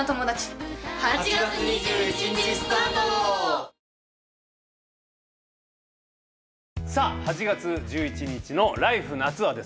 ８月さあ８月１１日の「ＬＩＦＥ！夏」はですね